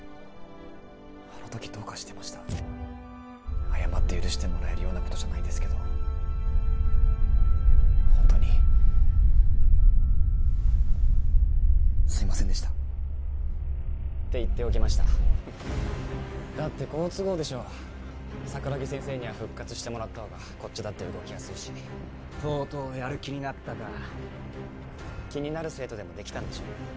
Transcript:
あの時どうかしてました謝って許してもらえるようなことじゃないですけど本当にすいませんでしたって言っておきましただって好都合でしょ桜木先生には復活してもらったほうがこっちだって動きやすいしとうとうやる気になったか気になる生徒でもできたんでしょうね